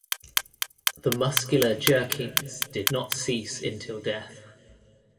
The muscular jerkings did not cease until death.